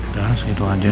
dan segitu aja